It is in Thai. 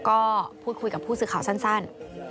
ก็พูดคุยกับผู้สื่อข่าวสั้น